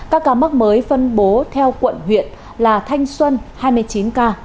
các ca mắc mới phân bố theo quận huyện là thanh xuân hai mươi chín ca